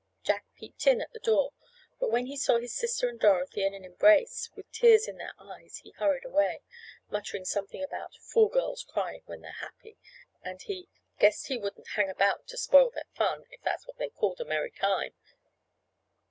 Jack peeped in at the door, but when he saw his sister and Dorothy in an embrace, with tears in their eyes, he hurried away, muttering something about "fool girls crying when they're happy," and he "guessed he wouldn't hang around to spoil their fun, if that was what they called a merry time."